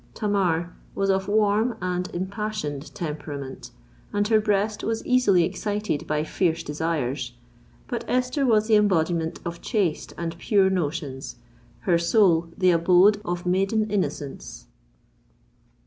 Tamar was of warm and impassioned temperament, and her breast was easily excited by fierce desires; but Esther was the embodiment of chaste and pure notions—her soul the abode of maiden innocence!